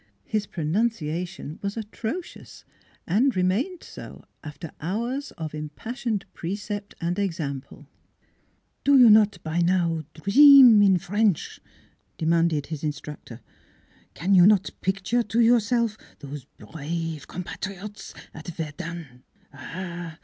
His pronunciation was atrocious, and remained so after hours of impassioned precept and example. " Do you not by now dream in French? " de manded his instructor. " Can you not picture to yourself those brave compatriots at Verdun? Ha !